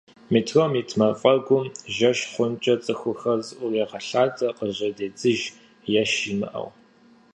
Метром ит мафӏэгум жэщ хъухункӏэ цӏыхухэр зыӏурегъэлъадэ къыжьэдедзыж, еш имыӏэу.